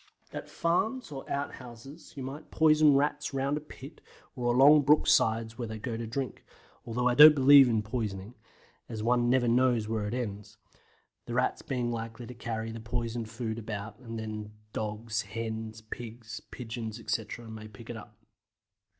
At farms or out houses you might poison Rats round a pit or along brook sides where they go to drink, although I don't believe in poisoning, as one never knows where it ends the Rats being likely to carry the poisoned food about, and then dogs, hens, pigs, pigeons, etc., may pick it up.